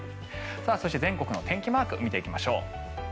そして、全国の天気マーク見ていきましょう。